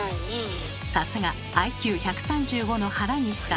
さすがＩＱ１３５の原西さん。